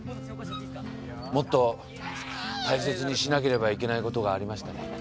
もっと大切にしなければいけないことがありましたね。